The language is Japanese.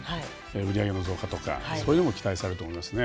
売り上げの増加とかそういうのも期待されると思いますね。